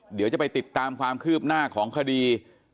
เดี๋ยวจะไปติดตามความคืบหน้าของคดี